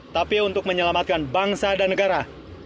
tapi untuk menyelamatkan bangsa dan negara